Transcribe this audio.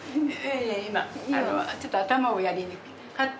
今ちょっと頭をやりにカット。